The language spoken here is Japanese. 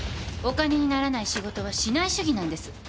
お金にならない仕事はしない主義なんです。